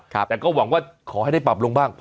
แต่ก็หวังว่าขอให้ได้ปรับลงบ้าง